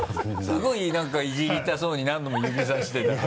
すごいなんかいじりたそうに何度も指さしてた。